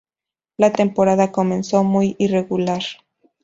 La temporada comenzó muy irregular.